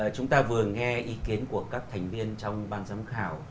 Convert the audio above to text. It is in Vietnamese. chúng ta vừa nghe ý kiến của các thành viên trong ban giám khảo